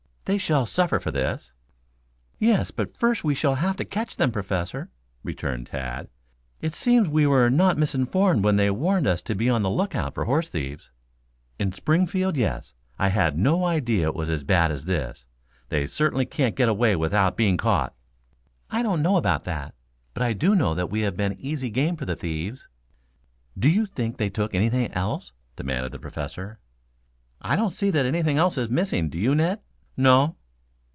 They shall suffer for this!" "Yes, but first we shall have to catch them, Professor," returned Tad. "It seems we were not misinformed when they warned us to be on the lookout for horse thieves." "In Springfield, yes. I had no idea it was as bad as this. They certainly can't get away without being caught." "I don't know about that. But I do know that we have been easy game for the thieves." "Do you think they took anything else?" demanded the Professor. "I don't see that anything else is missing, do you, Ned?" "No."